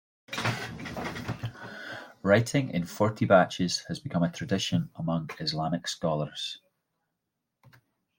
Writing in forty batches has become a tradition among Islamic scholars.